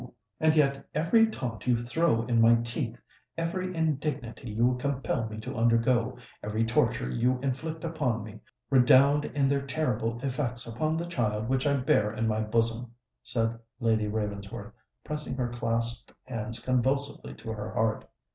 "And yet every taunt you throw in my teeth—every indignity you compel me to undergo—every torture you inflict upon me, redound in their terrible effects upon the child which I bear in my bosom," said Lady Ravensworth, pressing her clasped hands convulsively to her heart.